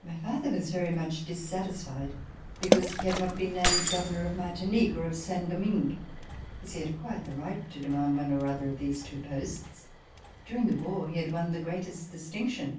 My father was very much dissatisfied because he had not been named Governor of Martinique or of Saint Domingue, as he had acquired the right to de mand one or the other of these two posts. During the war he had won the greatest distinction.